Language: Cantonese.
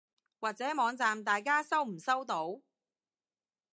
或者網站大家收唔收到？